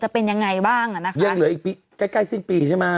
จะเป็นยังไงบ้างอะนะคะ